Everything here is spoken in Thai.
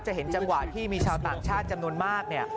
เห็นจังหวะที่มีชาวต่างชาติจำนวนมากเนี่ย